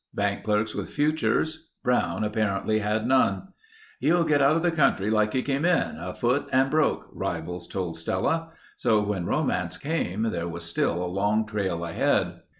Bank clerks with futures. Brown apparently had none. "He'll get out of the country like he came in—afoot and broke," rivals told Stella. So when romance came, there was still a long trail ahead.